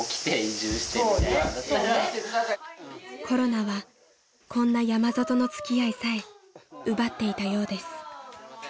［コロナはこんな山里の付き合いさえ奪っていたようです］